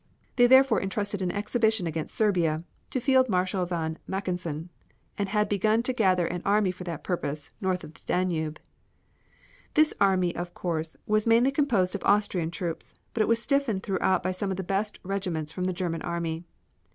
They therefore entrusted an expedition against Serbia to Field Marshal von Mackensen, and had begun to gather an army for that purpose, north of the Danube. This army of course was mainly composed of Austrian troops, but was stiffened throughout by some of the best regiments from the German army.